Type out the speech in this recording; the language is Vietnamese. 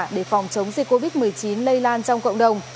để phòng chống dịch covid một mươi chín lây lan trong cộng đồng